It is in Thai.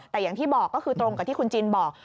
แต่อย่างที่บอกก็คือตรงกับที่คุณจินบอก